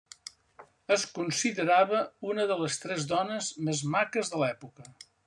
Es considerava una de les tres dones més maques de l'època.